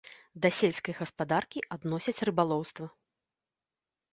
Да сельскай гаспадаркі адносяць рыбалоўства.